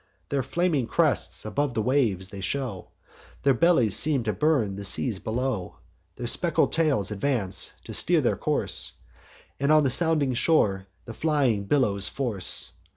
Their flaming crests above the waves they show; Their bellies seem to burn the seas below; Their speckled tails advance to steer their course, And on the sounding shore the flying billows force.